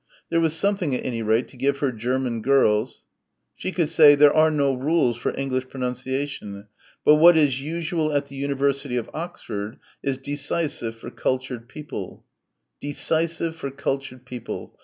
There was something at any rate to give her German girls.... She could say, "There are no rules for English pronunciation, but what is usual at the University of Oxford is decisive for cultured people" "decisive for cultured people."